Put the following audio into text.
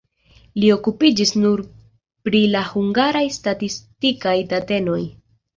Li okupiĝis nur pri la hungaraj statistikaj datenoj.